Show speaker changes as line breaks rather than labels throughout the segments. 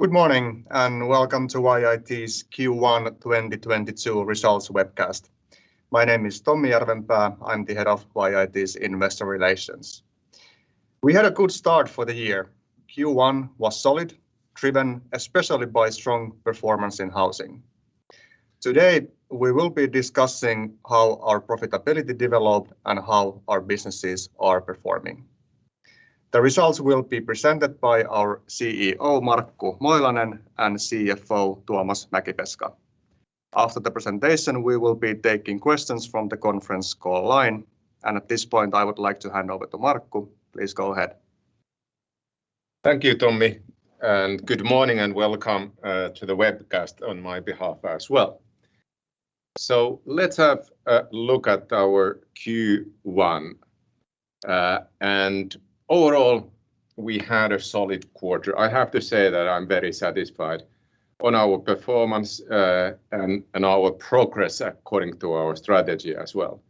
Good morning, and welcome to YIT's Q1 2022 results webcast. My name is Tommi Järvenpää. I'm the head of YIT's investor relations. We had a good start for the year. Q1 was solid, driven especially by strong performance in housing. Today, we will be discussing how our profitability developed and how our businesses are performing. The results will be presented by our CEO, Markku Moilanen, and CFO, Tuomas Mäkipeska. After the presentation, we will be taking questions from the conference call line, and at this point, I would like to hand over to Markku. Please go ahead.
Thank you, Tommi, and good morning and welcome to the webcast on my behalf as well. Let's have a look at our Q1. Overall, we had a solid quarter. I have to say that I'm very satisfied on our performance and our progress according to our strategy as well.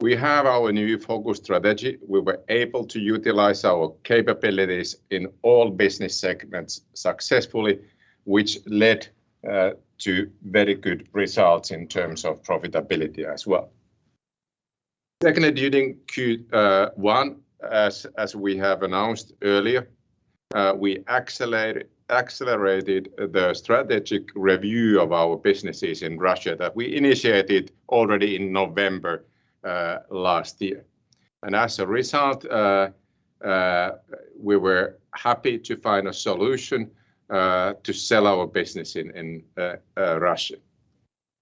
We have our new focus strategy. We were able to utilize our capabilities in all business segments successfully, which led to very good results in terms of profitability as well. Secondly, during Q1, as we have announced earlier, we accelerated the strategic review of our businesses in Russia that we initiated already in November last year. As a result, we were happy to find a solution to sell our business in Russia.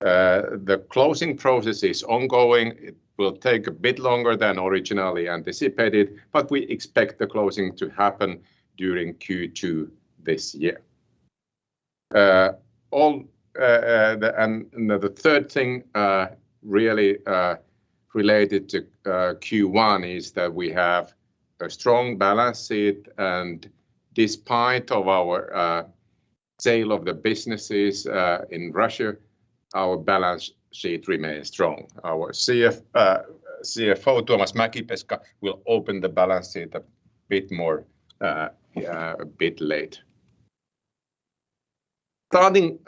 The closing process is ongoing. It will take a bit longer than originally anticipated, but we expect the closing to happen during Q2 this year. The third thing, really, related to Q1 is that we have a strong balance sheet, and despite of our sale of the businesses in Russia, our balance sheet remains strong. Our CFO, Tuomas Mäkipeska, will open the balance sheet a bit more, a bit late. Starting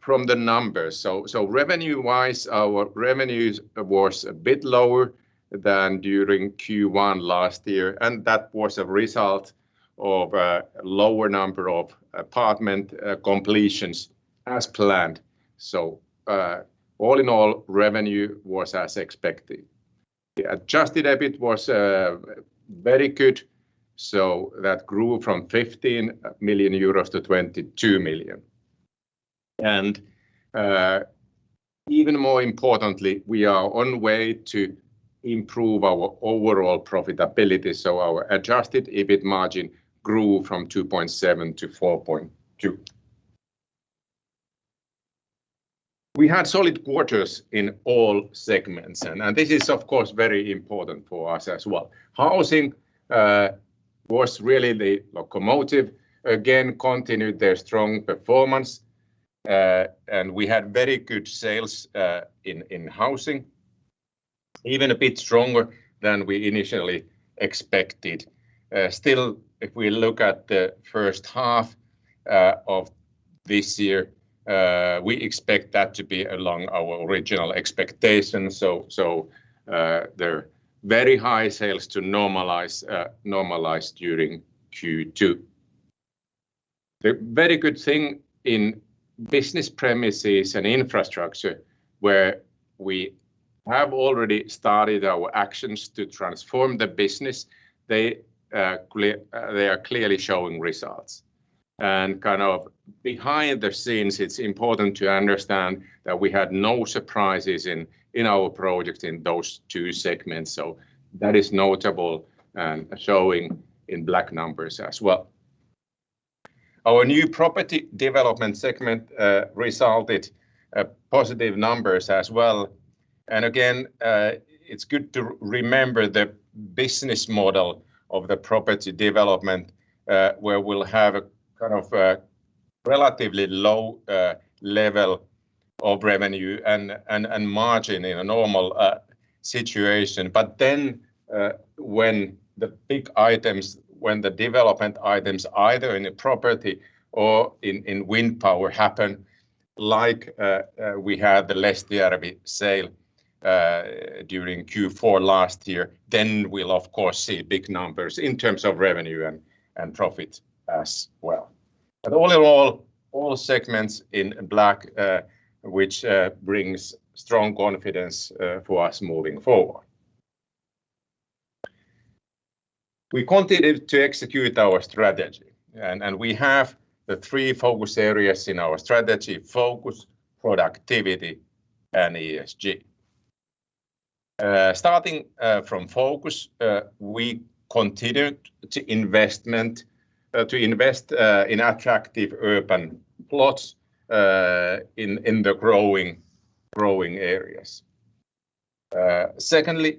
from the numbers. Revenue-wise, our revenues was a bit lower than during Q1 last year, and that was a result of a lower number of apartment completions as planned. All in all, revenue was as expected. The adjusted EBIT was very good, so that grew from 15 million euros to 22 million. Even more importantly, we are on our way to improve our overall profitability, so our adjusted EBIT margin grew from 2.7% to 4.2%. We had solid quarters in all segments, and this is of course very important for us as well. Housing was really the locomotive, again continued their strong performance, and we had very good sales in housing, even a bit stronger than we initially expected. Still, if we look at the first half of this year, we expect that to be along our original expectations. The very high sales to normalize during Q2. The very good thing in business premises and infrastructure where we have already started our actions to transform the business, they are clearly showing results. Kind of behind the scenes, it's important to understand that we had no surprises in our projects in those two segments. That is notable, and showing in black numbers as well. Our new property development segment resulted in positive numbers as well. It's good to remember the business model of the property development, where we'll have a kind of a relatively low level of revenue and margin in a normal situation. Then, when the big items, when the development items, either in a property or in wind power happen, like we had the Lestijärvi sale during Q4 last year, then we'll of course see big numbers in terms of revenue and profit as well. All in all segments in black, which brings strong confidence for us moving forward. We continued to execute our strategy, and we have the three focus areas in our strategy, focus, productivity, and ESG. Starting from focus, we continued to invest in attractive urban plots in the growing areas. Secondly,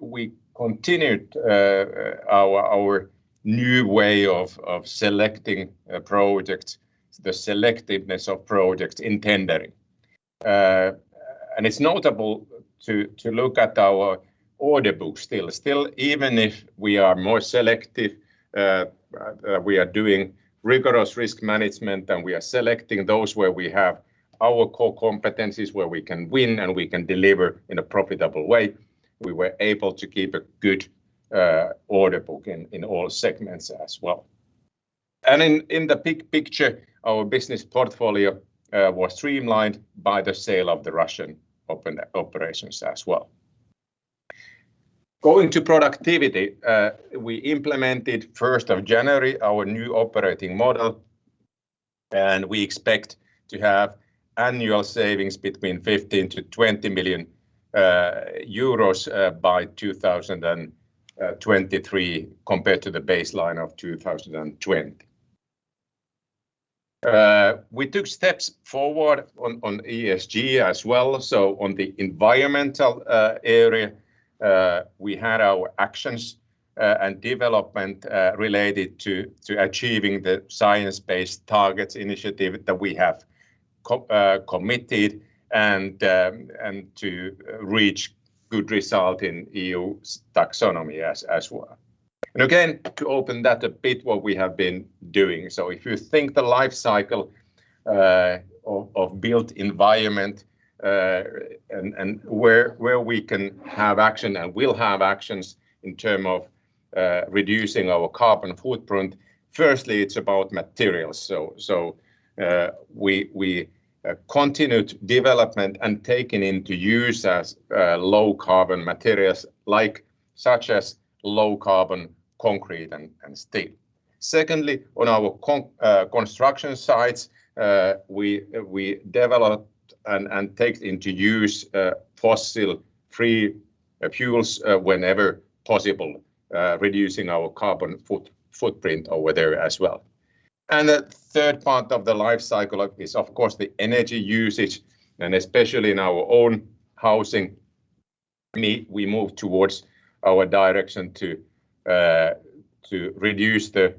we continued our new way of selecting projects, the selectiveness of projects in tendering. It's notable to look at our order book still. Still, even if we are more selective, we are doing rigorous risk management, and we are selecting those where we have our core competencies, where we can win, and we can deliver in a profitable way. We were able to keep a good order book in all segments as well. In the big picture, our business portfolio was streamlined by the sale of the Russian operations as well. Going to productivity, we implemented first of January our new operating model, and we expect to have annual savings between 15 million-20 million euros by 2023 compared to the baseline of 2020. We took steps forward on ESG as well. On the environmental area, we had our actions and development related to achieving the Science Based Targets initiative that we have committed and to reach good result in EU taxonomy as well. Again, to open that a bit what we have been doing. If you think the life cycle of built environment and where we can have action and will have actions in terms of reducing our carbon footprint, firstly, it's about materials. We continued development and taking into use as low carbon materials like such as low carbon concrete and steel. Secondly, on our construction sites, we developed and take into use fossil-free fuels whenever possible, reducing our carbon footprint over there as well. The third part of the life cycle is, of course, the energy usage, and especially in our own housing, indeed, we move towards our direction to reduce the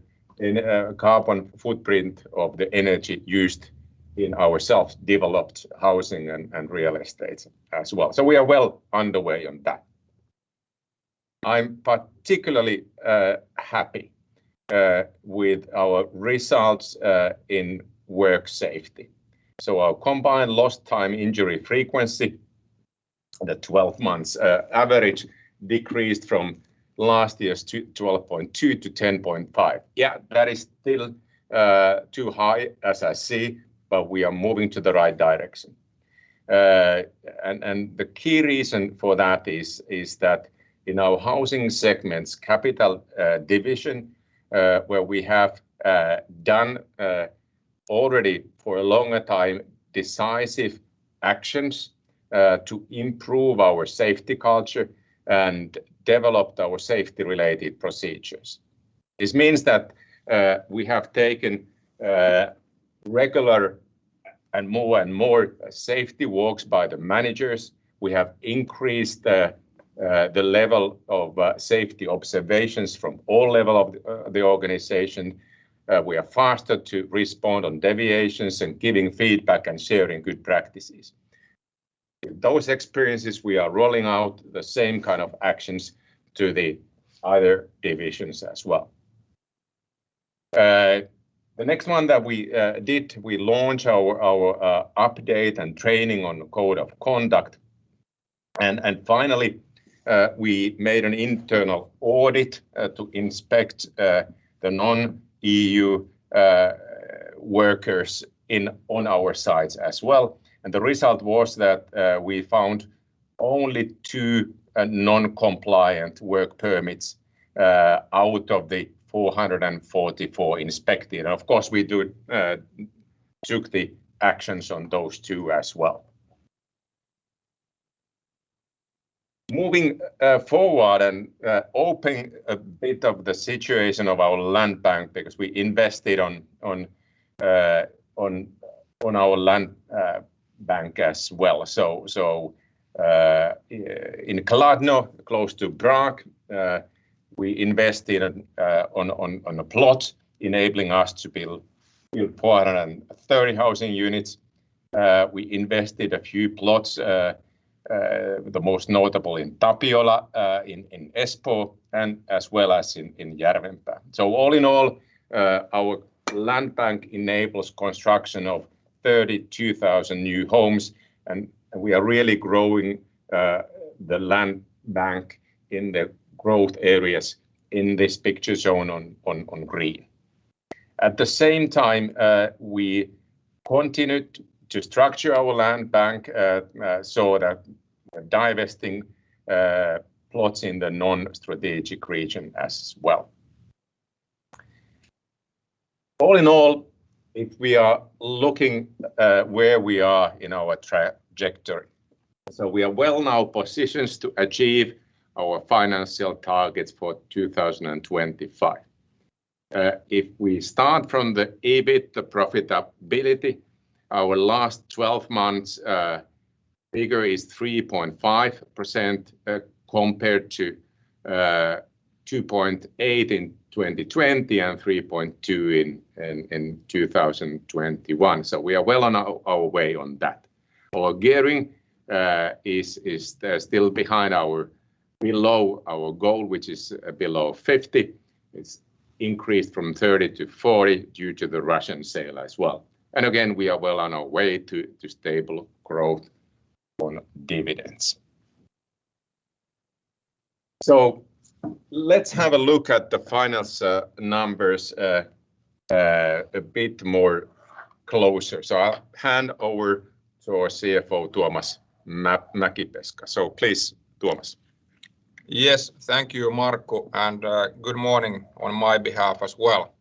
carbon footprint of the energy used in our self-developed housing and real estate as well. We are well underway on that. I'm particularly happy with our results in work safety. Our combined lost time injury frequency, the 12-month average decreased from last year's 12.2 to 10.5. Yeah, that is still too high, as I see, but we are moving in the right direction. The key reason for that is that in our housing segment, capital division, where we have done already for a longer time decisive actions to improve our safety culture and developed our safety-related procedures. This means that we have taken regular and more and more safety walks by the managers. We have increased the level of safety observations from all levels of the organization. We are faster to respond to deviations and giving feedback and sharing good practices. Those experiences, we are rolling out the same kind of actions to the other divisions as well. The next one that we did, we launched our update and training on the code of conduct. Finally, we made an internal audit to inspect the non-EU workers on our sites as well. The result was that we found only two non-compliant work permits out of the 444 inspected. Of course, we took the actions on those two as well. Moving forward and open a bit of the situation of our land bank because we invested on our land bank as well. In Kladno, close to Prague, we invested in a plot enabling us to build 430 housing units. We invested in a few plots, the most notable in Tapiola, in Espoo, and as well as in Järvenpää. All in all, our land bank enables construction of 32,000 new homes, and we are really growing the land bank in the growth areas in this picture shown on green. At the same time, we continued to structure our land bank so that divesting plots in the non-strategic region as well. All in all, if we are looking at where we are in our trajectory, we are well now positioned to achieve our financial targets for 2025. If we start from the EBIT, the profitability, our last twelve months figure is 3.5%, compared to 2.8% in 2020 and 3.2% in 2021. We are well on our way on that. Our gearing is still below our goal, which is below 50. It's increased from 30-40 due to the Russian sale as well. We are well on our way to stable growth on dividends. Let's have a look at the finance numbers a bit more closer. I'll hand over to our CFO, Tuomas Mäkipeska. Please, Tuomas.
Yes, thank you, Markku, and good morning on my behalf as well.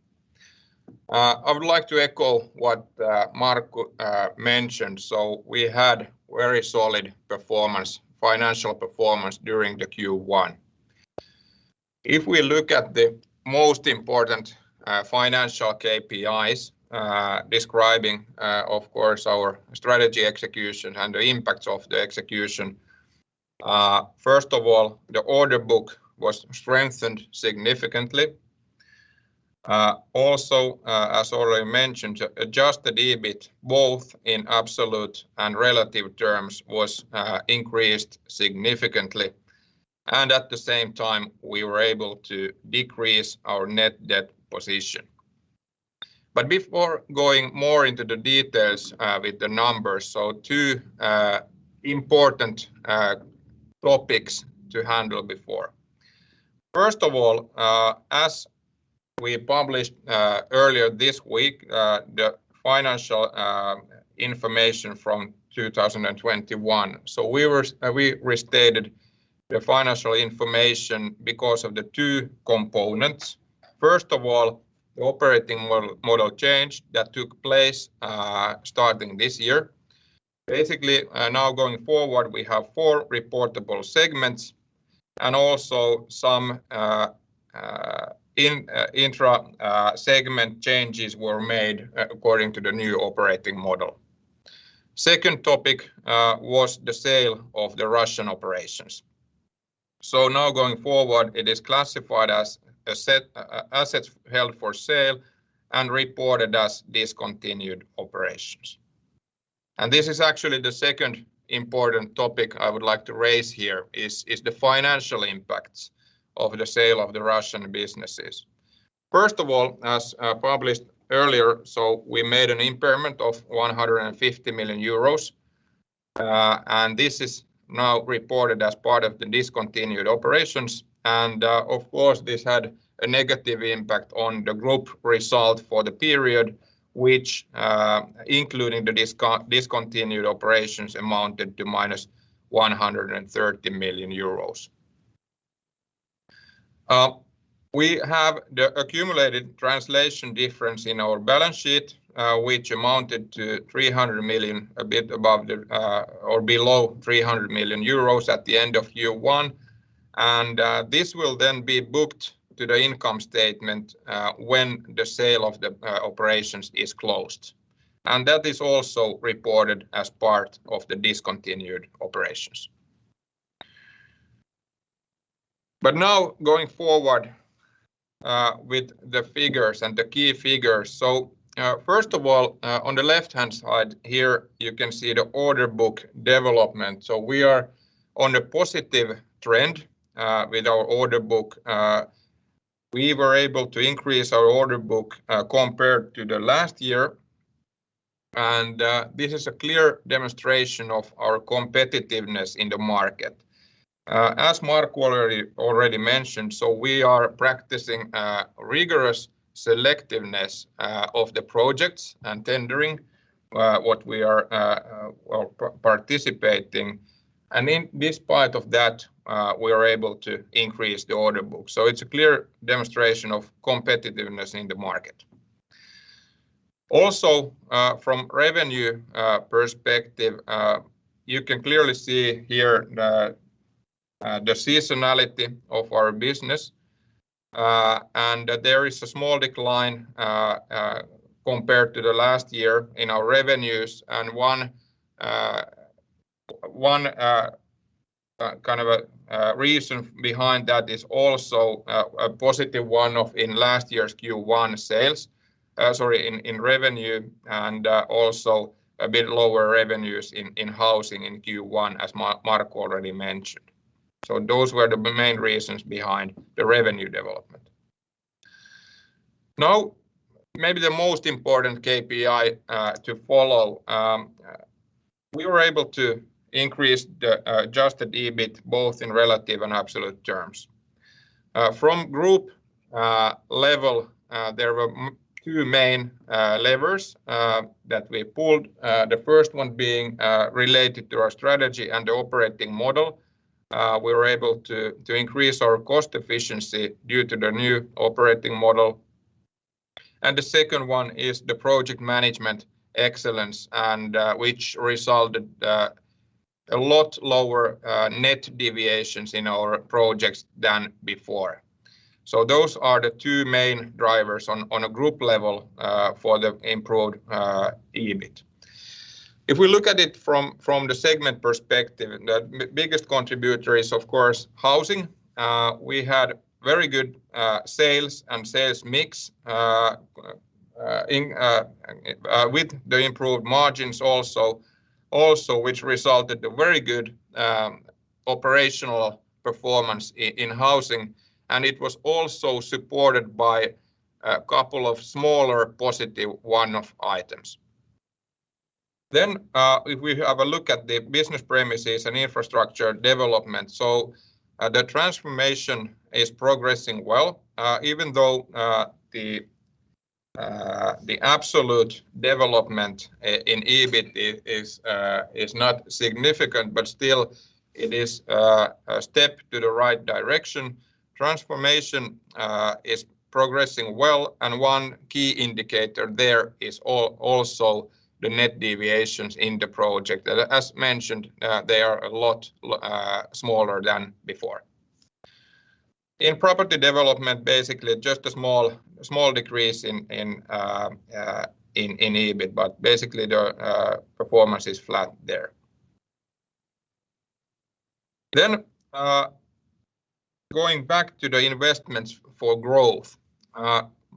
I would like to echo what Markku mentioned. We had very solid performance, financial performance during the Q1. If we look at the most important financial KPIs describing, of course, our strategy execution and the impacts of the execution, first of all, the order book was strengthened significantly. Also, as already mentioned, adjusted EBIT both in absolute and relative terms was increased significantly. At the same time, we were able to decrease our net debt position. Before going more into the details with the numbers, two important topics to handle before. First of all, as we published earlier this week, the financial information from 2021. We were... We restated the financial information because of the two components. First of all, the operating model change that took place starting this year. Basically, now going forward, we have four reportable segments and also some intra-segment changes were made according to the new operating model. Second topic was the sale of the Russian operations. Now going forward, it is classified as assets held for sale and reported as discontinued operations. This is actually the second important topic I would like to raise here, is the financial impacts of the sale of the Russian businesses. First of all, as published earlier, so we made an impairment of 150 million euros, and this is now reported as part of the discontinued operations. Of course, this had a negative impact on the group result for the period which, including the discontinued operations amounted to -130 million euros. We have the accumulated translation difference in our balance sheet, which amounted to 300 million, a bit above or below 300 million euros at the end of year one, and this will then be booked to the income statement when the sale of the operations is closed. That is also reported as part of the discontinued operations. Now going forward with the figures and the key figures. First of all, on the left-hand side here, you can see the order book development. We are on a positive trend with our order book. We were able to increase our order book, compared to the last year, and this is a clear demonstration of our competitiveness in the market. As Markku already mentioned, so we are practicing a rigorous selectiveness of the projects and tendering what we are well participating. In this part of that, we are able to increase the order book. It's a clear demonstration of competitiveness in the market. Also, from revenue perspective, you can clearly see here the seasonality of our business. There is a small decline compared to the last year in our revenues. One kind of a reason behind that is also a positive one of in last year's Q1 sales. Sorry, in revenue and also a bit lower revenues in housing in Q1, as Markku already mentioned. Those were the main reasons behind the revenue development. Now, maybe the most important KPI to follow. We were able to increase the adjusted EBIT both in relative and absolute terms. From group level, there were two main levers that we pulled, the first one being related to our strategy and operating model. We were able to increase our cost efficiency due to the new operating model. The second one is the project management excellence and which resulted a lot lower net deviations in our projects than before. Those are the two main drivers on a group level for the improved EBIT. If we look at it from the segment perspective, the biggest contributor is, of course, housing. We had very good sales and sales mix with the improved margins also which resulted in a very good operational performance in housing, and it was also supported by a couple of smaller positive one-off items. If we have a look at the business premises and infrastructure development. The transformation is progressing well, even though the absolute development in EBIT is not significant, but still it is a step in the right direction. Transformation is progressing well, and one key indicator there is also the net deviations in the project that, as mentioned, they are a lot smaller than before. In property development, basically just a small decrease in EBIT, but basically the performance is flat there. Going back to the investments for growth.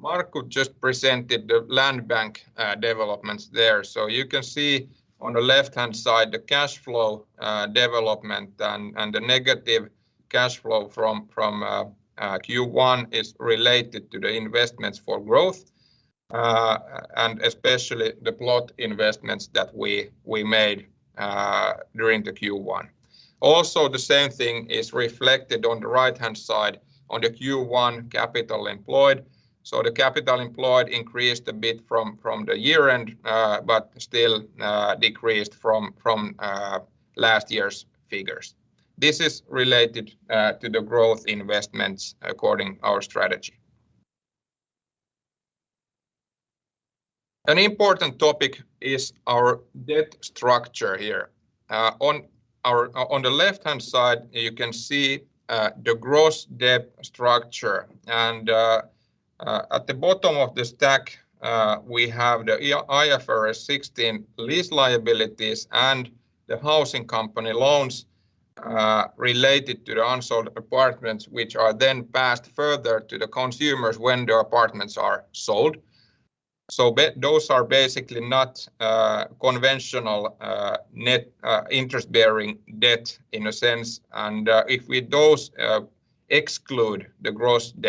Markku just presented the land bank developments there. You can see on the left-hand side the cash flow development and the negative cash flow from Q1 is related to the investments for growth and especially the plot investments that we made during the Q1. Also, the same thing is reflected on the right-hand side on the Q1 capital employed. The capital employed increased a bit from the year-end, but still decreased from last year's figures. This is related to the growth investments according to our strategy. An important topic is our debt structure here. On our... On the left-hand side you can see the gross debt structure and at the bottom of the stack we have the IFRS 16 lease liabilities and the housing company loans related to the unsold apartments, which are then passed further to the consumers when the apartments are sold. Those are basically not conventional net interest-bearing debt in a sense. If we exclude those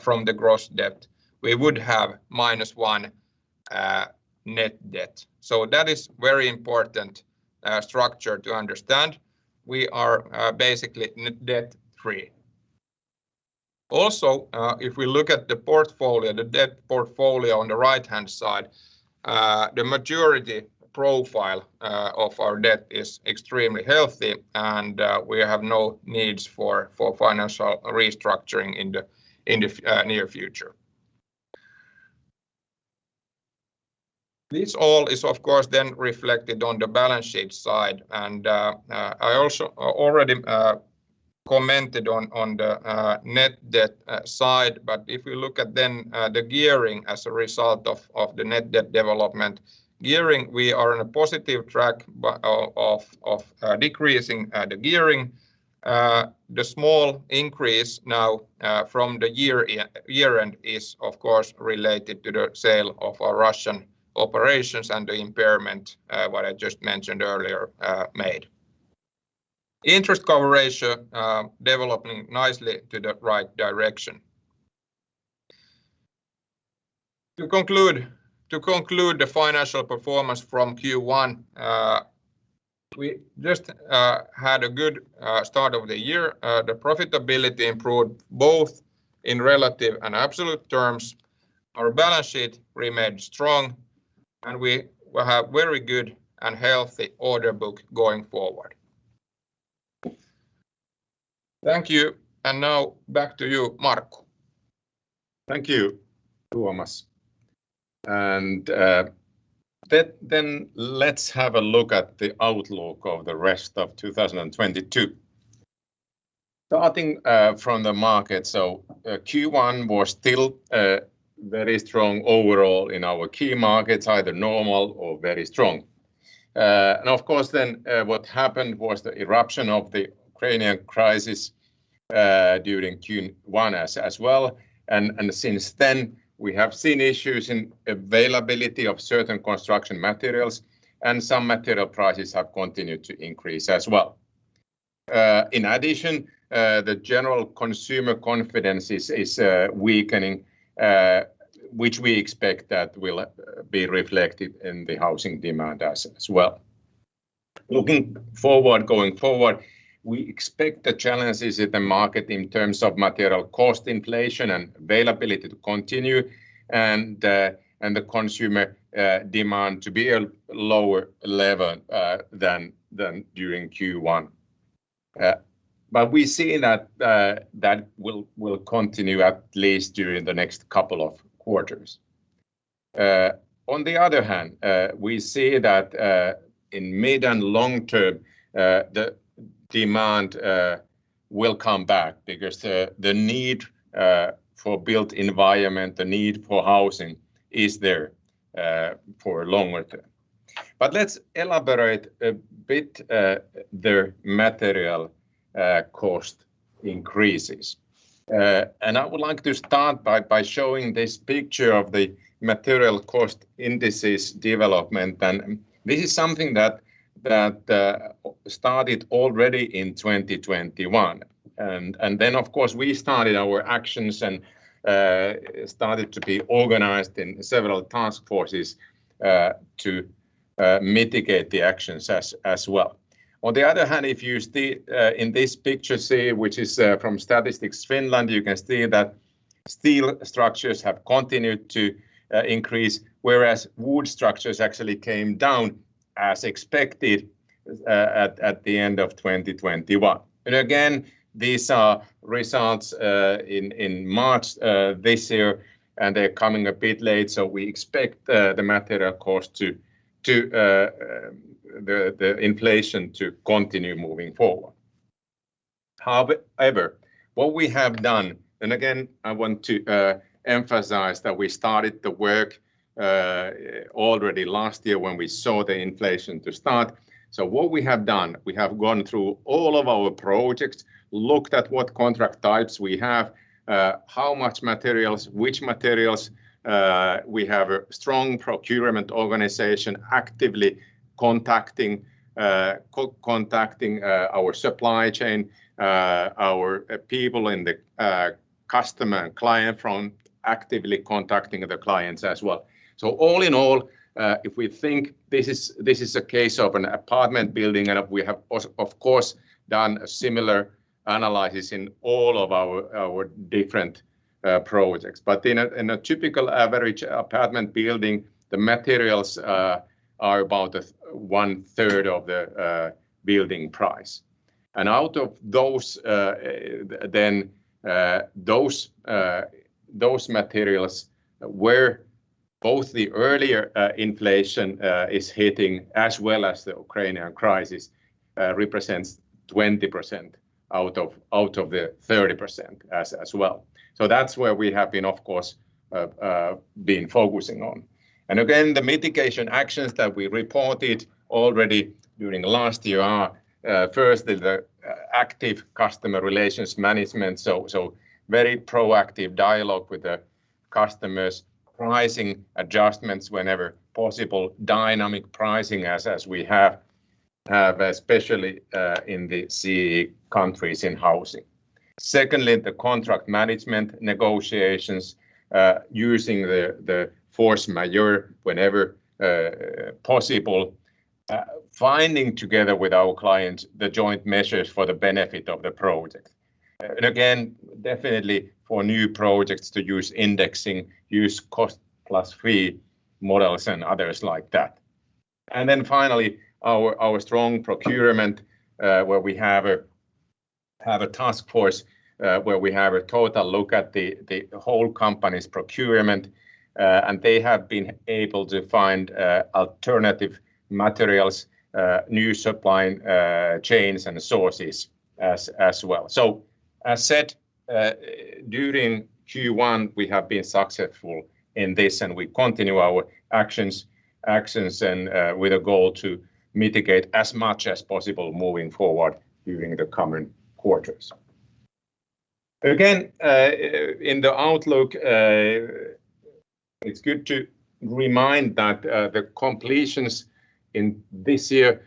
from the gross debt, we would have minus one net debt. That is very important structure to understand. We are basically debt-free. Also, if we look at the portfolio, the debt portfolio on the right-hand side, the maturity profile of our debt is extremely healthy, and we have no needs for financial restructuring in the near future. This all is, of course, then reflected on the balance sheet side. I also already commented on the net debt side. If you look at the gearing as a result of the net debt development, we are in a positive track of decreasing the gearing. The small increase now from the year-end is of course related to the sale of our Russian operations and the impairment what I just mentioned earlier made. Interest coverage ratio developing nicely to the right direction. To conclude the financial performance from Q1, we just had a good start of the year. The profitability improved both in relative and absolute terms. Our balance sheet remained strong, and we have very good and healthy order book going forward. Thank you. Now back to you, Markku.
Thank you, Tuomas. Let's have a look at the outlook of the rest of 2022. Starting from the market. Q1 was still very strong overall in our key markets, either normal or very strong. Of course then, what happened was the eruption of the Ukrainian crisis during Q1 as well. Since then, we have seen issues in availability of certain construction materials, and some material prices have continued to increase as well. In addition, the general consumer confidence is weakening, which we expect that will be reflected in the housing demand as well. Looking forward, going forward, we expect the challenges in the market in terms of material cost inflation and availability to continue and the consumer demand to be a lower level than during Q1. We see that that will continue at least during the next couple of quarters. On the other hand, we see that in mid and long term the demand will come back because the need for built environment, the need for housing is there for longer term. Let's elaborate a bit the material cost increases. I would like to start by showing this picture of the material cost indices development. This is something that started already in 2021. Of course we started our actions and started to be organized in several task forces to mitigate the actions as well. On the other hand, if you see in this picture, say, which is from Statistics Finland, you can see that steel structures have continued to increase, whereas wood structures actually came down as expected at the end of 2021. Again, these are results in March this year, and they're coming a bit late, so we expect the inflation to continue moving forward. However, what we have done, and again I want to emphasize that we started the work already last year when we saw the inflation to start. What we have done, we have gone through all of our projects, looked at what contract types we have, how much materials, which materials. We have a strong procurement organization actively contacting our supply chain, our people in the customer and client front, actively contacting the clients as well. All in all, if we think this is a case of an apartment building, and we have also of course done a similar analysis in all of our different projects. In a typical average apartment building, the materials are about 1/3 of the building price. Out of those materials where both the earlier inflation is hitting as well as the Ukrainian crisis represents 20% out of the 30% as well. That's where we have of course been focusing on. Again, the mitigation actions that we reported already during last year are first the active customer relations management, so very proactive dialogue with the customers, pricing adjustments whenever possible, dynamic pricing as we have especially in the CEE countries in housing. Secondly, the contract management negotiations, using the force majeure whenever possible, finding together with our clients the joint measures for the benefit of the project. Again, definitely for new projects to use indexing, use cost plus fee models and others like that. Finally, our strong procurement, where we have a task force, where we have a total look at the whole company's procurement, and they have been able to find alternative materials, new supply chains and sources as well. As said, during Q1 we have been successful in this and we continue our actions and with a goal to mitigate as much as possible moving forward during the coming quarters. Again, in the outlook, it's good to remind that the completions in this year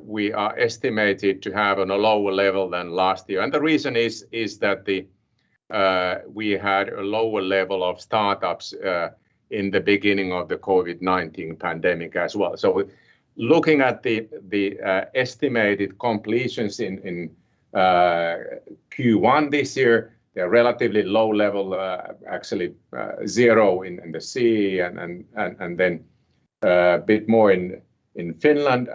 we are estimated to have on a lower level than last year. The reason is that we had a lower level of startups in the beginning of the COVID-19 pandemic as well. Looking at the estimated completions in Q1 this year, they're relatively low level, actually, zero in the CEE and then a bit more in Finland.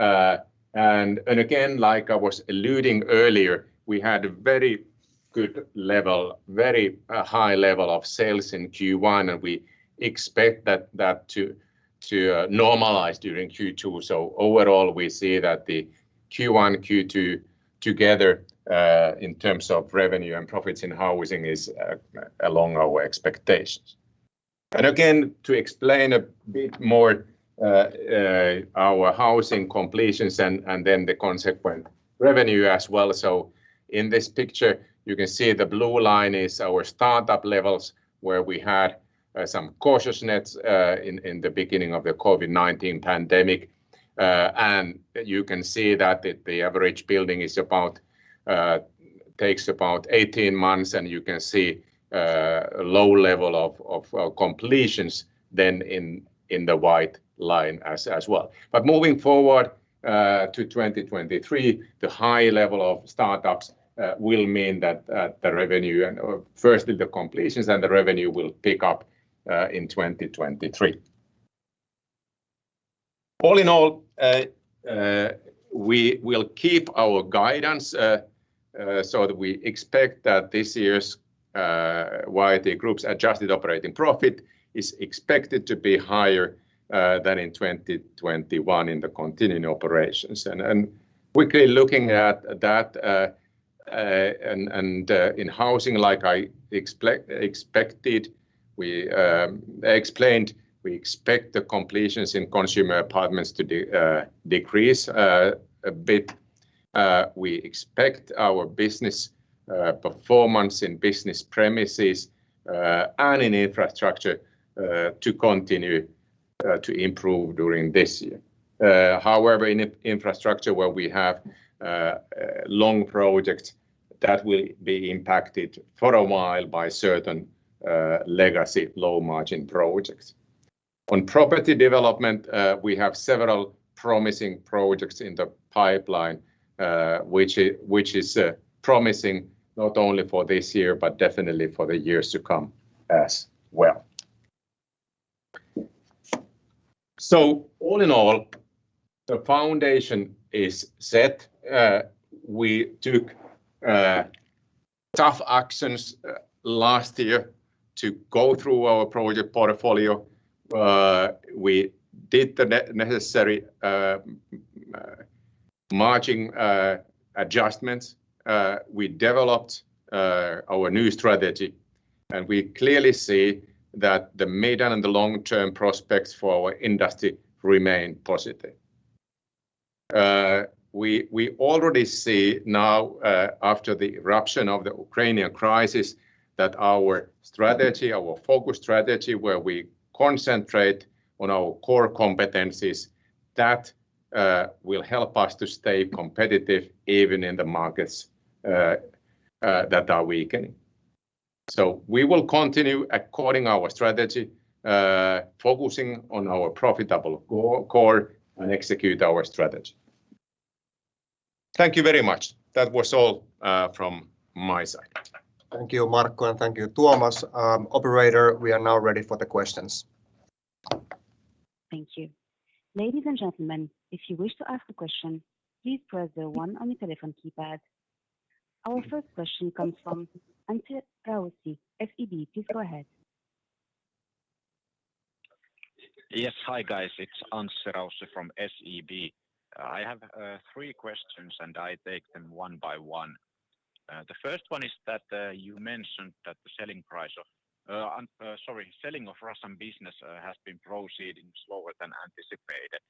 Again like I was alluding earlier, we had a very good level, very high level of sales in Q1, and we expect that to normalize during Q2. Overall we see that the Q1, Q2 together, in terms of revenue and profits in housing is along our expectations. Again, to explain a bit more, our housing completions and then the consequent revenue as well. In this picture you can see the blue line is our startup levels, where we had some cautiousness in the beginning of the COVID-19 pandemic. You can see that the average building takes about 18 months, and you can see a low level of completions than in the white line as well. Moving forward to 2023, the high level of startups will mean that the revenue and firstly the completions, then the revenue will pick up in 2023. All in all, we will keep our guidance so that we expect that this year's YIT Group's adjusted operating profit is expected to be higher than in 2021 in the continuing operations. Quickly looking at that, in housing we explained we expect the completions in consumer apartments to decrease a bit. We expect our business performance in business premises and in infrastructure to continue to improve during this year. However, in infrastructure where we have long projects, that will be impacted for a while by certain legacy low margin projects. On property development, we have several promising projects in the pipeline, which is promising not only for this year but definitely for the years to come as well. All in all, the foundation is set. We took tough actions last year to go through our project portfolio. We did the necessary margin adjustments. We developed our new strategy, and we clearly see that the mid and the long-term prospects for our industry remain positive. We already see now, after the eruption of the Ukrainian crisis, that our strategy, our focused strategy where we concentrate on our core competencies, that will help us to stay competitive even in the markets that are weakening. We will continue according to our strategy, focusing on our profitable core, and execute our strategy. Thank you very much. That was all from my side.
Thank you, Markku, and thank you, Tuomas. Operator, we are now ready for the questions.
Thank you. Ladies and gentlemen, if you wish to ask a question, please press zero one on your telephone keypad. Our first question comes from Anssi Raussi, SEB. Please go ahead.
Yes. Hi, guys. It's Anssi Raussi from SEB. I have three questions, and I take them one by one. The first one is that you mentioned that the selling of Russian business has been proceeding slower than anticipated.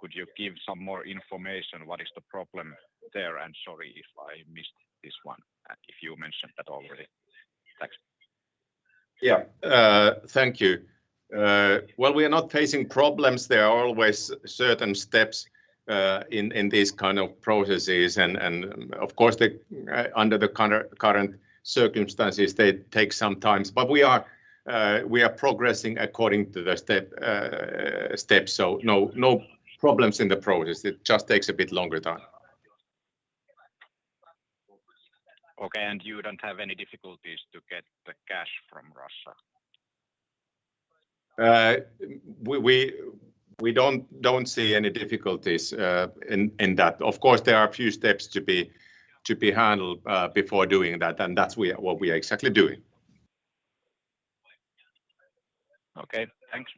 Could you give some more information what is the problem there? Sorry if I missed this one, if you mentioned that already. Thanks.
Yeah. Thank you. Well, we are not facing problems. There are always certain steps in these kind of processes and of course under the current circumstances, they take some time. We are progressing according to the steps, so no problems in the process. It just takes a bit longer time.
Okay. You don't have any difficulties to get the cash from Russia?
We don't see any difficulties in that. Of course there are a few steps to be handled before doing that, and that's what we are exactly doing.
Okay. Thanks.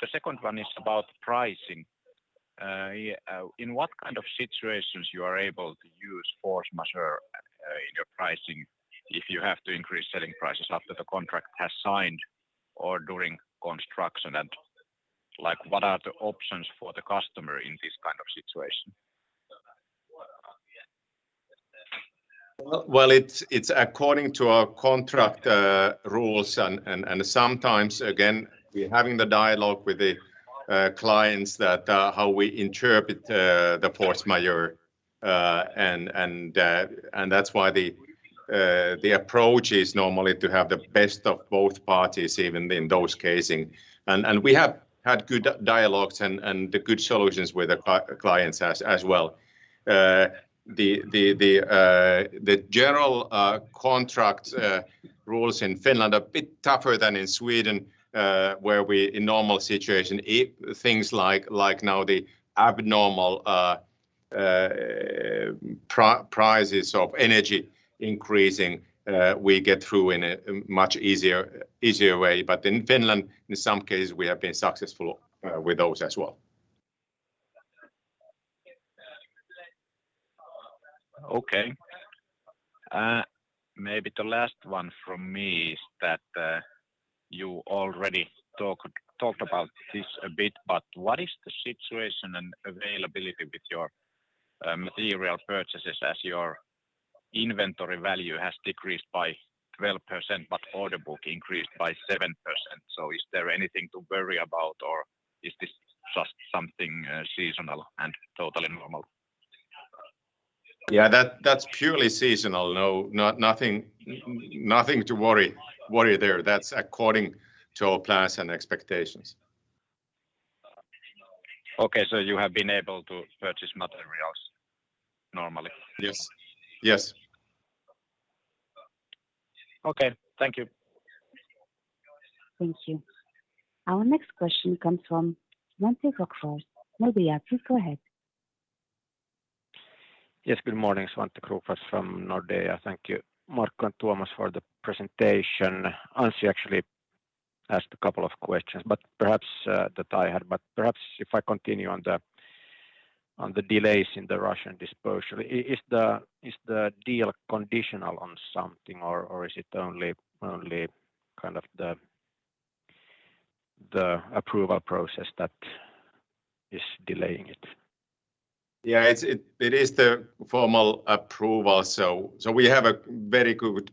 The second one is about pricing. In what kind of situations you are able to use force majeure in your pricing if you have to increase selling prices after the contract has signed or during construction? Like, what are the options for the customer in this kind of situation?
It's according to our contract rules and sometimes, again, we're having the dialogue with the clients about how we interpret the force majeure. That's why the approach is normally to have the best of both parties even in those cases. We have had good dialogues and good solutions with the clients as well. The general contract rules in Finland are a bit tougher than in Sweden, where we in normal situations things like now the abnormal prices of energy increasing, we get through in a much easier way. In Finland, in some cases we have been successful with those as well.
Okay. Maybe the last one from me is that you already talked about this a bit, but what is the situation and availability with your material purchases as your inventory value has decreased by 12% but order book increased by 7%? Is there anything to worry about, or is this just something seasonal and totally normal?
Yeah. That's purely seasonal. Nothing to worry there. That's according to our plans and expectations.
Okay. You have been able to purchase materials normally?
Yes. Yes.
Okay. Thank you.
Thank you. Our next question comes from Svante Krokfors, Nordea. Please go ahead.
Yes, good morning. Svante Krokfors from Nordea. Thank you, Mark and Tuomas, for the presentation. Anssi actually asked a couple of questions, but perhaps that I had, but perhaps if I continue on the delays in the Russian disposal. Is the deal conditional on something or is it only kind of the approval process that is delaying it?
Yeah. It is the formal approval, so we have a very good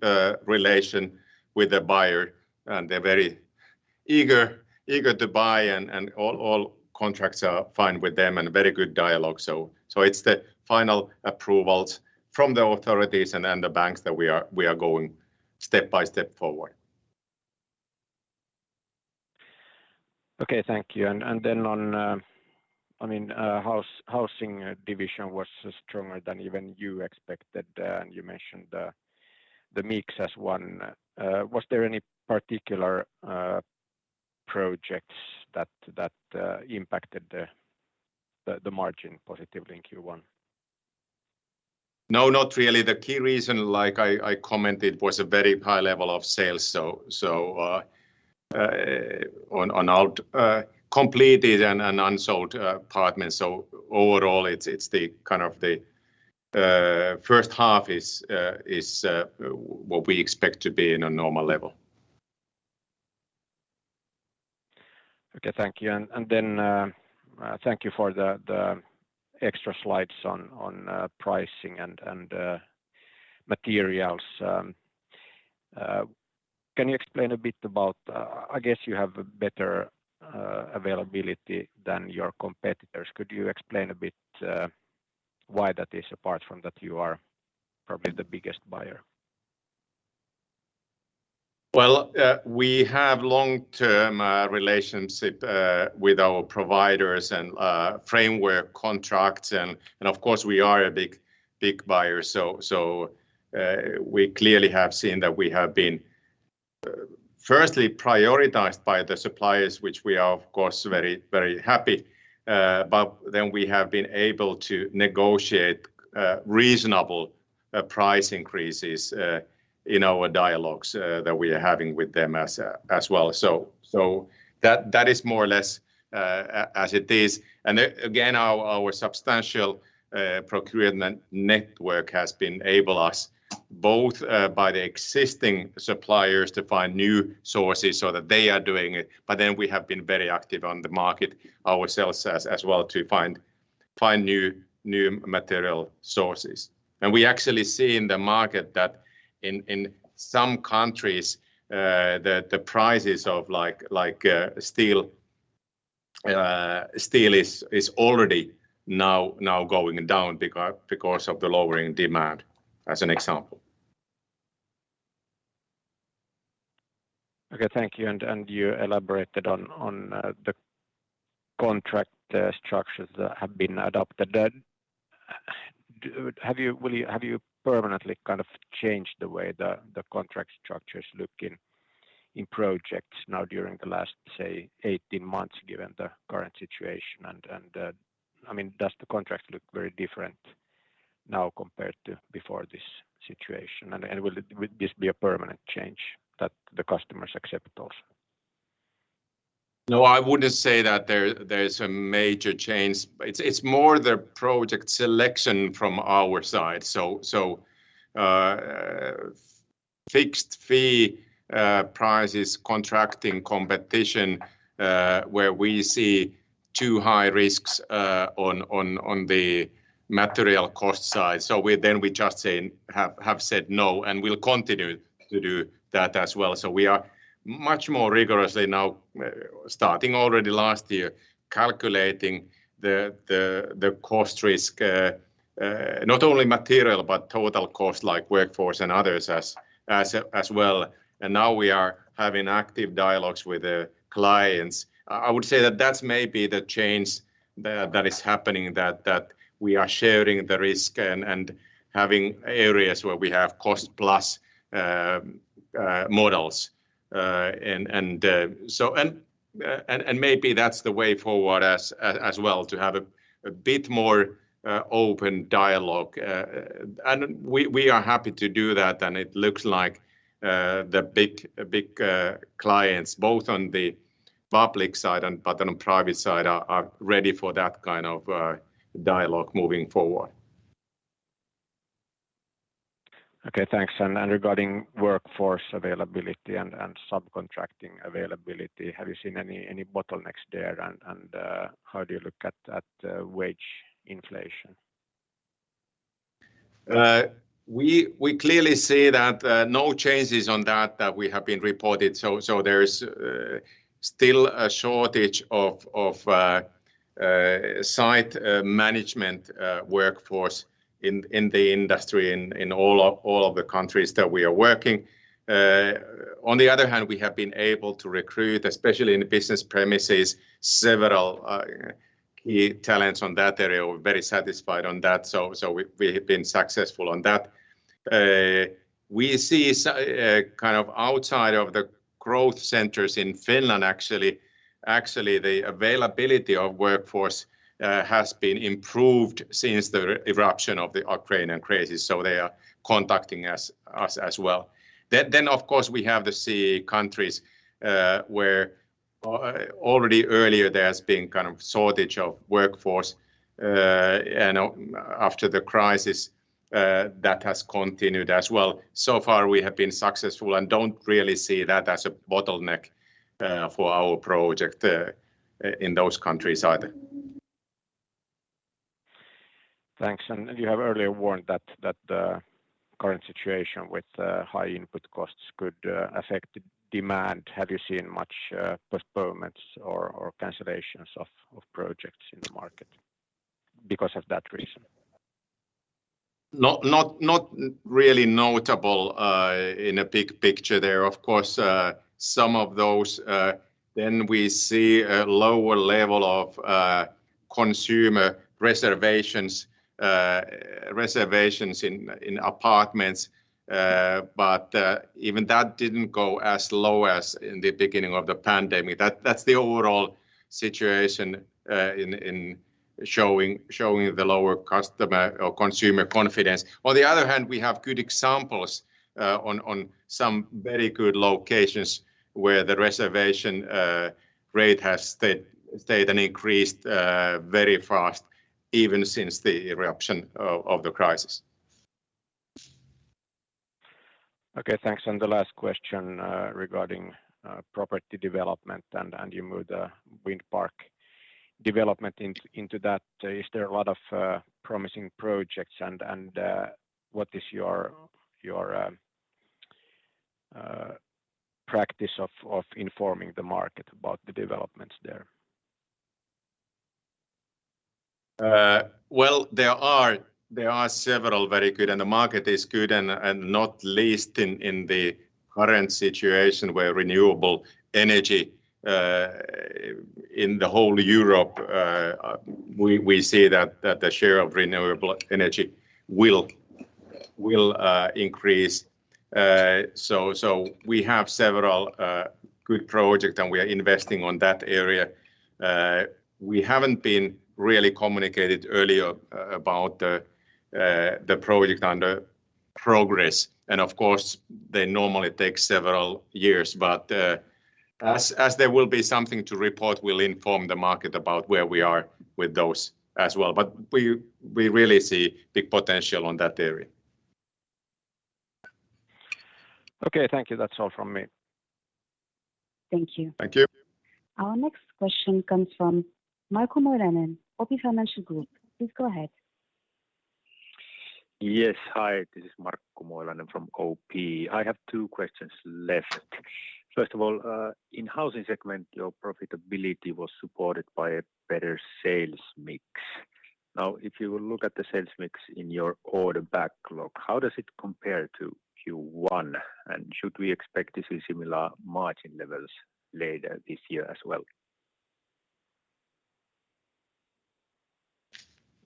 relation with the buyer, and they're very eager to buy and all contracts are fine with them and very good dialogue. It's the final approvals from the authorities and then the banks that we are going step by step forward.
Okay. Thank you. On, I mean, housing division was stronger than even you expected, and you mentioned the mix as one. Was there any particular projects that impacted the margin positively in Q1?
No, not really. The key reason, like I commented, was a very high level of sales on our completed and unsold apartments. Overall, it's kind of the first half is what we expect to be in a normal level.
Okay. Thank you. Thank you for the extra slides on pricing and materials. Can you explain a bit about I guess you have a better availability than your competitors. Could you explain a bit why that is, apart from that you are probably the biggest buyer?
We have long-term relationship with our providers and framework contracts and of course we are a big buyer, so we clearly have seen that we have been firstly prioritized by the suppliers, which we are of course very happy. We have been able to negotiate reasonable price increases in our dialogues that we are having with them as well. That is more or less as it is. Again, our substantial procurement network has enabled us both by the existing suppliers to find new sources so that they are doing it, but we have been very active on the market ourselves as well to find new material sources. We actually see in the market that in some countries, the prices of like steel is already now going down because of the lowering demand, as an example.
Okay. Thank you. You elaborated on the contract structures that have been adopted. Have you permanently kind of changed the way the contract structures look in projects now during the last, say, 18 months, given the current situation? I mean, does the contracts look very different now compared to before this situation? Will this be a permanent change that the customers accept also?
No, I wouldn't say that there is a major change. It's more the project selection from our side. Fixed fee prices, contracting competition where we see too high risks on the material cost side. We just have said no, and we'll continue to do that as well. We are much more rigorously now, starting already last year, calculating the cost risk, not only material, but total cost like workforce and others as well. Now we are having active dialogues with the clients. I would say that that's maybe the change that is happening, that we are sharing the risk and having areas where we have cost-plus models. Maybe that's the way forward as well, to have a bit more open dialogue. We are happy to do that, and it looks like the big clients, both on the public side and on private side are ready for that kind of dialogue moving forward.
Okay. Thanks. Regarding workforce availability and subcontracting availability, have you seen any bottlenecks there and how do you look at wage inflation?
We clearly see that no changes that we have reported. There is still a shortage of site management workforce in the industry in all of the countries that we are working. On the other hand, we have been able to recruit, especially in the business premises, several key talents on that area. We're very satisfied on that. We have been successful on that. We see kind of outside of the growth centers in Finland actually the availability of workforce has been improved since the eruption of the Ukrainian crisis, so they are contacting us as well. Then of course we have the CEE countries where already earlier there has been kind of shortage of workforce. After the crisis, that has continued as well. So far we have been successful and don't really see that as a bottleneck for our project in those countries either.
Thanks. You have earlier warned that the current situation with high input costs could affect demand. Have you seen much postponements or cancellations of projects in the market because of that reason?
Not really notable in a big picture there. Of course, some of those. We see a lower level of consumer reservations in apartments. Even that didn't go as low as in the beginning of the pandemic. That's the overall situation in showing the lower customer or consumer confidence. On the other hand, we have good examples on some very good locations where the reservation rate has stayed and increased very fast even since the outbreak of the crisis.
Okay. Thanks. The last question regarding property development, and you move the wind park development into that. Is there a lot of promising projects, and what is your practice of informing the market about the developments there?
Well, there are several very good, and the market is good, and not least in the current situation where renewable energy in the whole Europe, we see that the share of renewable energy will increase. We have several good project, and we are investing on that area. We haven't been really communicated earlier about the project under progress. Of course they normally take several years. As there will be something to report, we'll inform the market about where we are with those as well. We really see big potential on that area.
Okay. Thank you. That's all from me.
Thank you.
Thank you.
Our next question comes from Markku Moilanen, OP Financial Group. Please go ahead.
Yes. Hi. This is Markku Moilanen from OP. I have two questions left. First of all, in housing segment, your profitability was supported by a better sales mix. Now, if you will look at the sales mix in your order backlog, how does it compare to Q1, and should we expect to see similar margin levels later this year as well?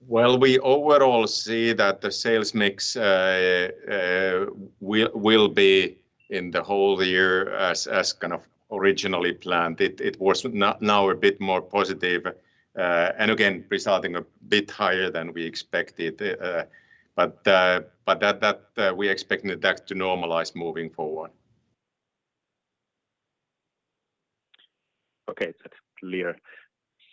Well, we overall see that the sales mix will be in the whole year as kind of originally planned. It was now a bit more positive and again resulting a bit higher than we expected. That we're expecting that to normalize moving forward.
Okay. That's clear.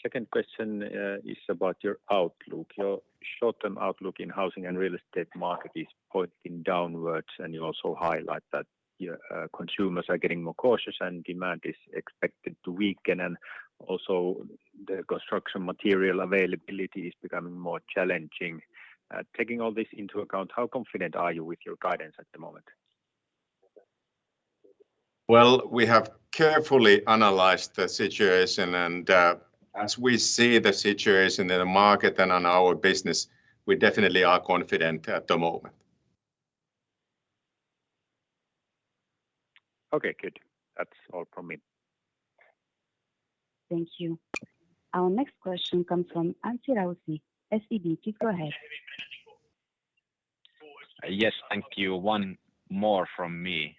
Second question is about your outlook. Your short-term outlook in housing and real estate market is pointing downwards, and you also highlight that your consumers are getting more cautious and demand is expected to weaken and also the construction material availability is becoming more challenging. Taking all this into account, how confident are you with your guidance at the moment?
Well, we have carefully analyzed the situation, and, as we see the situation in the market and on our business, we definitely are confident at the moment.
Okay, good. That's all from me.
Thank you. Our next question comes from Anssi Raussi, SEB. Please go ahead.
Yes. Thank you. One more from me.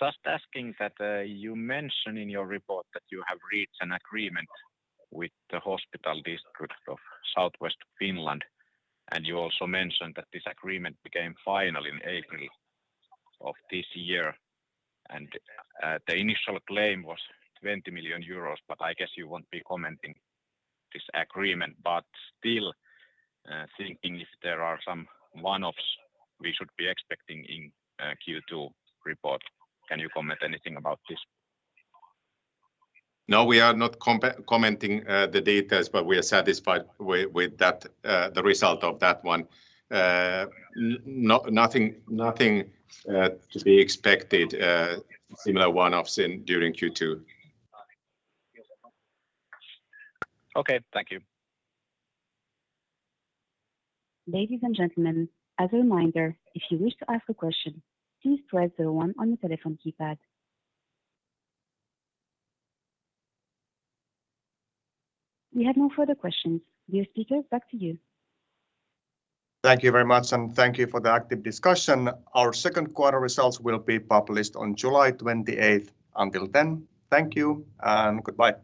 Just asking that you mention in your report that you have reached an agreement with the Hospital District of Southwest Finland, and you also mentioned that this agreement became final in April of this year. The initial claim was 20 million euros. I guess you won't be commenting this agreement, but still, thinking if there are some one-offs we should be expecting in Q2 report. Can you comment anything about this?
No, we are not commenting on the details, but we are satisfied with that, the result of that one. Nothing to be expected, similar one-offs during Q2.
Okay. Thank you.
Ladies and gentlemen, as a reminder, if you wish to ask a question, please press zero one on your telephone keypad. We have no further questions. Dear speakers, back to you.
Thank you very much, and thank you for the active discussion. Our second quarter results will be published on July 28th. Until then, thank you and goodbye.